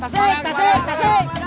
tasik tasik tasik